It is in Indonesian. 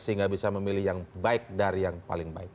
sehingga bisa memilih yang baik dari yang paling baik